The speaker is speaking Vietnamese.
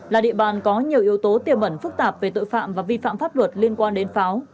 là địa bàn có nhiều yếu tố tiềm ẩn phức tạp về tội phạm và vi phạm pháp luật liên quan đến pháo